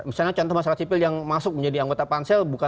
misalnya contoh masyarakat sipil yang masuk menjadi anggota pansel